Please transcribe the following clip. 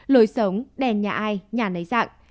lối sống đèn nhà ai nhà nấy dạng